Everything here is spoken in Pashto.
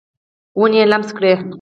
ونې یې لمس کړي